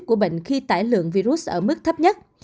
của bệnh khi tải lượng virus ở mức thấp nhất